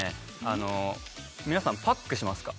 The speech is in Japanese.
あの皆さんパックしますか？